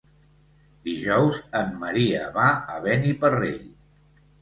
Dijous en Maria va a Beniparrell.